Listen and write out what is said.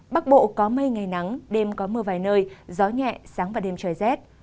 bắc bộ có mây ngày nắng đêm có mưa vài nơi gió nhẹ sáng và đêm trời rét